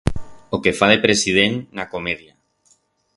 O que fa de president en a comedia.